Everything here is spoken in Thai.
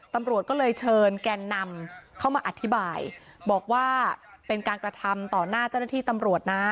ตำรวจก็เลยเชิญแกนนำเข้ามาอธิบายบอกว่าเป็นการกระทำต่อหน้าเจ้าหน้าที่ตำรวจนะ